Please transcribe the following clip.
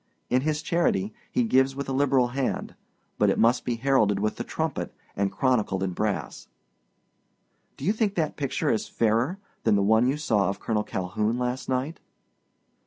In his charity, he gives with a liberal hand; but it must be heralded with the trumpet and chronicled in brass.' "Do you think that picture is fairer than the one you saw of Colonel Calhoun last night?"